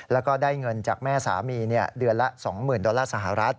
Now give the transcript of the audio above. แล้วก็ได้เงินจากแม่สามีเดือนละ๒๐๐๐ดอลลาร์สหรัฐ